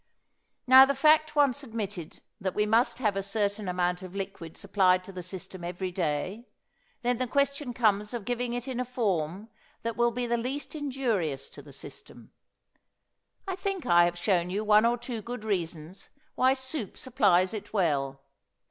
Now, the fact once admitted that we must have a certain amount of liquid supplied to the system every day, then the question comes of giving it in a form that will be the least injurious to the system. I think I have shown you one or two good reasons why soup supplies it well.